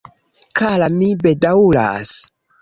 Kara, mi bedaŭras...